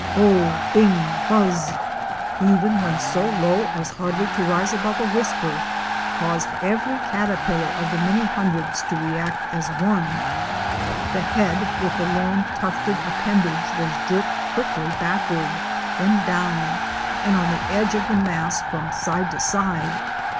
bow! bing! buzz! even when so low as hardly to rise above a whisper, caused every caterpillar of the many hun dreds to react as one. The head with the long tufted appen dage was jerked quickly backward, then down, and on the edges of the mass from side to side.